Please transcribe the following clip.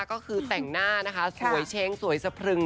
ก็คือแต่งหน้านะคะสวยเช้งสวยสะพรึง